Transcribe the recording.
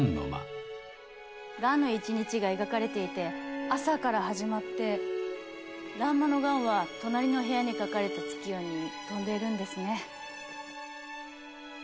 雁の一日が描かれていて朝から始まって欄間の雁は隣の部屋に描かれた月夜に飛んでいるんですね。